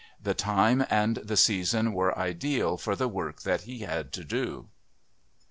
The time and the season were ideal for the work that he had to do.